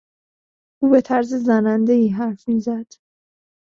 او به طرز زنندهای حرف میزد.